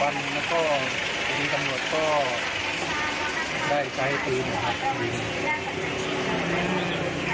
ฟันแล้วก็ที่นี่กำหนดก็ได้ใช้ให้ตื่นนะครับ